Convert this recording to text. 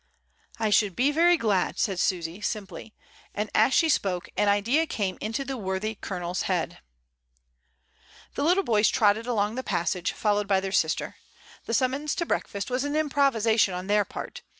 "I should be very glad," said Susy simply; and, as she spoke, an idea came into the worthy Colo neVs head. Mrs, Dymond. /. O 82 MRS. DYMOND. The little boys trotted along the passage, fol lowed by their sister. The summons to breakfast was an improvisation on their part.